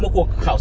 a của à